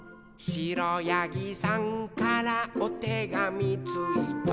「くろやぎさんからおてがみついた」